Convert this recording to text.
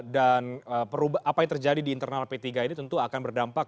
apa yang terjadi di internal p tiga ini tentu akan berdampak